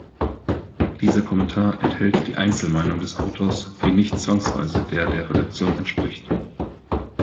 Dieser Kommentar enthält die Einzelmeinung des Autors, die nicht zwangsweise der der Redaktion entspricht.